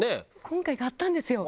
今回買ったんですよ。